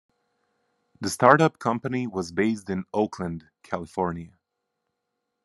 The start-up company was based in Oakland, California.